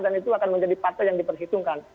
dan itu akan menjadi partai yang diperhitungkan